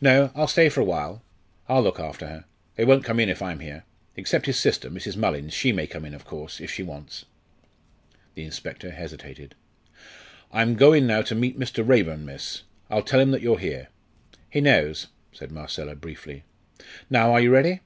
"No, I'll stay for a while. I'll look after her. They won't come in if I'm here. Except his sister Mrs. Mullins she may come in, of course, if she wants." The inspector hesitated. "I'm going now to meet Mr. Raeburn, miss. I'll tell him that you're here." "He knows," said Marcella, briefly. "Now are you ready?"